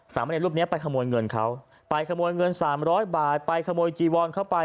มะเนรรูปนี้ไปขโมยเงินเขาไปขโมยเงินสามร้อยบาทไปขโมยจีวอนเข้าไป